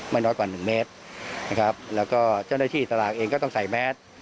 น้อยกว่าหนึ่งเมตรนะครับแล้วก็เจ้าหน้าที่ตลาดเองก็ต้องใส่แมส